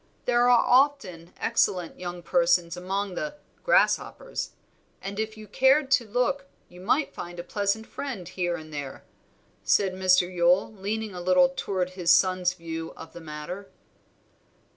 There are often excellent young persons among the 'grasshoppers,' and if you cared to look you might find a pleasant friend here and there," said Mr. Yule, leaning a little toward his son's view of the matter.